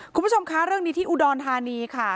คุณผู้ชมคะเรื่องนี้ที่อุดรธานีค่ะ